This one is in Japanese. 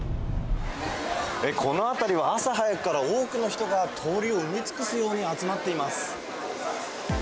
この辺りは朝早くから多くの人が通りを埋め尽くすように集まっています。